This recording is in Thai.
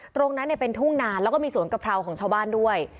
ตรงนั้นเป็นทุ่งนานแล้วก็มีสวนกะเพราของชาวบ้านด้วย